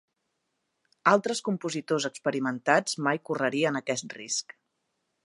Altres compositors experimentats mai correrien aquest risc.